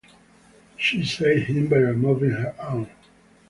She saved him by removing her own.